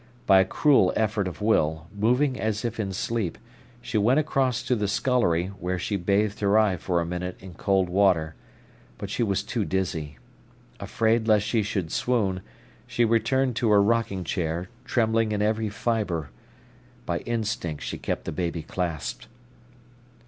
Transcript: By a cruel effort of will, moving as if in sleep, she went across to the scullery, where she bathed her eye for a minute in cold water; but she was too dizzy. Afraid lest she should swoon, she returned to her rocking chair, trembling in every fibre. By instinct, she kept the baby clasped.